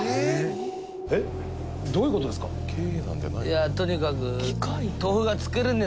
いやとにかく。